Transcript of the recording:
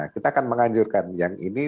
kita akan menganjurkan yang ini